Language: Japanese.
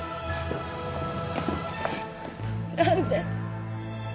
何で？